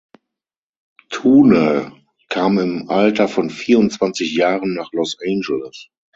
Thune kam im Alter von vierundzwanzig Jahren nach Los Angeles.